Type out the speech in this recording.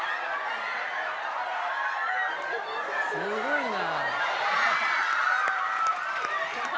すごいな！